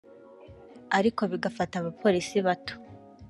ariko bigafata abapolisi bato